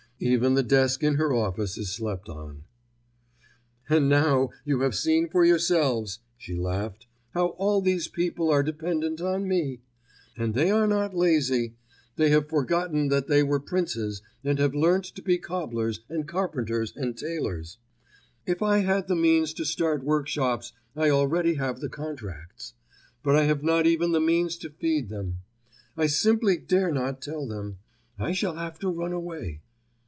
Even the desk in her office is slept on. "And now you have seen for yourselves," she laughed, "how all these people are dependent on me. And they are not lazy. They have forgotten that they were princes and have learnt to be cobblers, and carpenters, and tailors. If I had the means to start workshops, I already have the contracts. But I have not even the means to feed them. I simply dare not tell them. I shall have to run away."